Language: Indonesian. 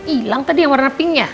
hilang tadi yang warna pinknya